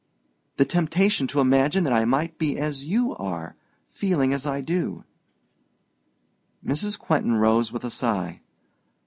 "The temptation to imagine that I might be as you are feeling as I do." Mrs. Quentin rose with a sigh.